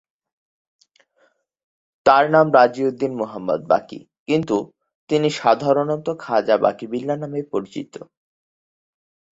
তার নাম রাযি-উদ-দিন মুহাম্মদ বাকি কিন্তু তিনি সাধারণত খাজা বাকি বিল্লাহ নামে পরিচিত।